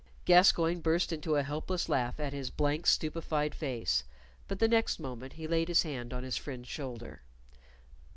Gascoyne burst into a helpless laugh at his blank, stupefied face, but the next moment he laid his hand on his friend's shoulder.